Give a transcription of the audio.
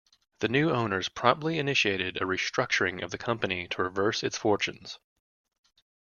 The new owners promptly initiated a restructuring of the company to reverse its fortunes.